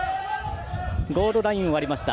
ゴールラインを割りました。